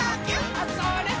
あ、それっ！